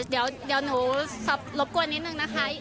เดี๋ยวหนูรบกวนนิดนึงนะคะ